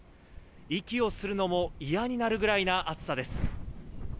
息をするのも嫌になるぐらいな暑さです。